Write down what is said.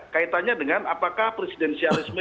kaitannya dengan apakah presidensialisme